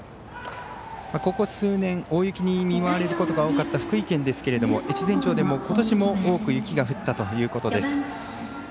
ここ数年、大雪に見舞われることの多かった福井県ですけども越前町でも、ことしも多く雪が降ったということです。